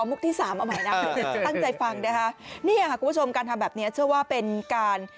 นี่ค่ะคุณผู้ชมการทำแบบนี้เชื่อว่าเป็นการ